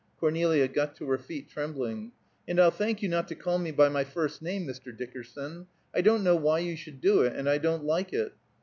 Cornelia got to her feet, trembling. "And I'll thank you not to call me by my first name, Mr. Dickerson. I don't know why you should do it, and I don't like it."